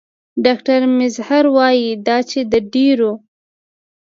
ډاکټر میزهر وايي دا چې د ډېرو